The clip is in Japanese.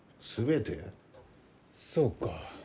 そうか。